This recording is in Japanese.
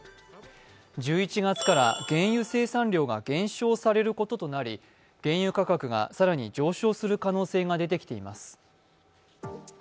１１月から、原油生産量が減少されることになり原油価格が更に上昇する可能性が出てきています。